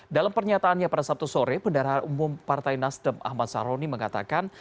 dalam pernyataannya pada sabtu sore pendarahan umum partai nasdem ahmad saroni mengatakan